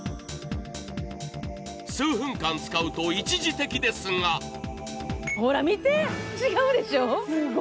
数分間使うと、一時的ですがほら見て、違うでしょ！